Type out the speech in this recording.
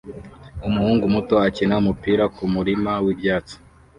Umuhungu muto akina umupira kumurima wibyatsi